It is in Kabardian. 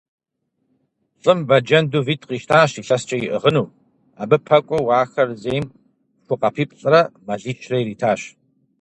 ЛӀым бэджэнду витӀ къищтащ, илъэскӀэ иӀыгъыну. Абы пэкӀуэу ахэр зейм ху къэпиплӀрэ мэлищрэ иритащ.